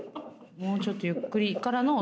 もうちょっとゆっくりからの。